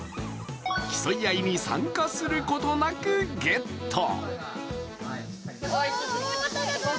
競い合いに参加することなくゲット。